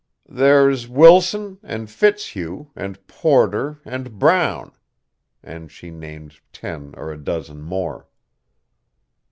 "There's Wilson and Fitzhugh and Porter and Brown," and she named ten or a dozen more.